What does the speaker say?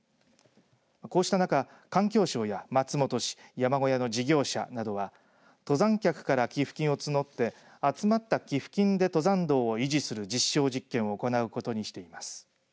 こうした中、環境省や松本市山小屋の事業者などは登山客から寄付金を募って集まった寄付金で登山道を維持する実証実験を行うことにしています。